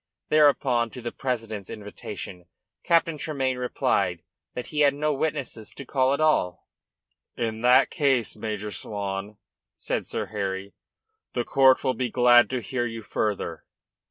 Thereupon, to the president's invitation, Captain Tremayne replied that he had no witnesses to call at all. "In that case, Major Swan," said Sir Harry, "the court will be glad to hear you further."